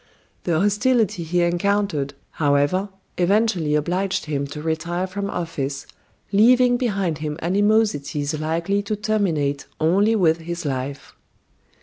The hostility he encountered, however eventually obliged him to retire from office, leaving behind him animosities likely to terminate only with his life."